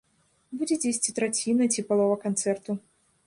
Будзе дзесьці траціна ці палова канцэрту.